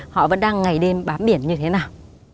họ vẫn đang ngày đêm bám biển như thế nào